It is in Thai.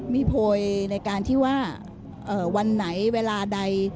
มีโพยในการที่ว่าวันไหนเวลาใด